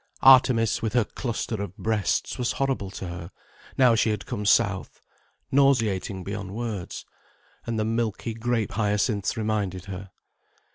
Artemis with her clusters of breasts was horrible to her, now she had come south: nauseating beyond words. And the milky grape hyacinths reminded her.